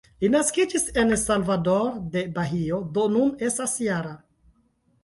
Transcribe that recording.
Li naskiĝis en Salvador-de-Bahio, do nun estas -jara.